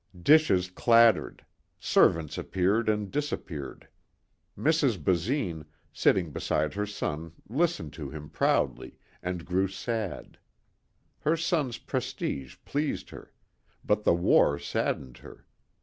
Dishes clattered. Servants appeared and disappeared. Mrs. Basine, sitting beside her son listened to him proudly and grew sad. Her son's prestige pleased her. But the war saddened her.